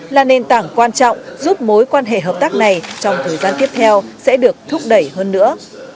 là nền tảng quan trọng giúp mối quan hệ hợp tác này trong thời gian tiếp theo sẽ được thúc đẩy hơn nữa